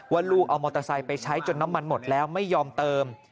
ลูกเอามอเตอร์ไซค์ไปใช้จนน้ำมันหมดแล้วไม่ยอมเติม